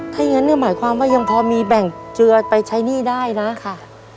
ถ้าอย่างนั้นหมายความว่ายังพอมีแบ่งเจือไปใช้หนี้ได้นะค่ะ